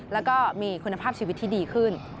แล้วก็มีคุณภาพชีวิตที่ดีขึ้น